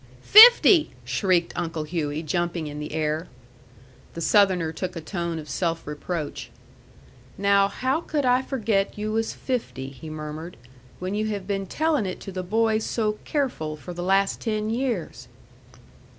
"Fifty!" shrieked Uncle Hughey, jumping in the air. The Southerner took a tone of self reproach. "Now, how could I forget you was fifty," he murmured, "when you have been telling it to the boys so careful for the last ten years!"